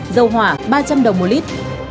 dầu hỏa ba trăm linh đồng một lít